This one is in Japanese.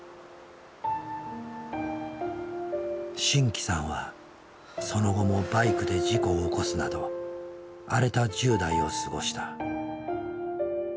真気さんはその後もバイクで事故を起こすなど荒れた１０代を過ごした。